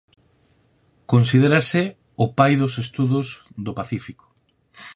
Considérase o pai dos Estudos do Pacífico.